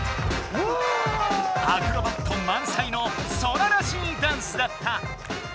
アクロバットまんさいのソラらしいダンスだった！